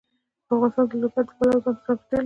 افغانستان د لوگر د پلوه ځانته ځانګړتیا لري.